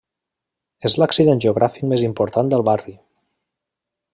És l'accident geogràfic més important del barri.